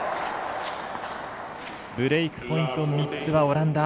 ブレークポイント３つはオランダ。